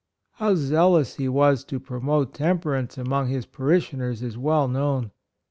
How zealous he was to promote temperance among his parishioners is well known.